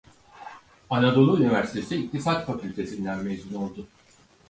Anadolu Üniversitesi İktisat Fakültesi'nden mezun oldu.